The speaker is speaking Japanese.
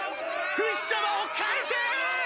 フシ様を返せーっ！！